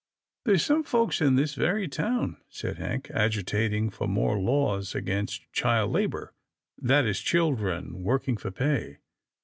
" There's some folks in this very town," said Hank, " agitating for more laws against child la bour — that is, children working for pay.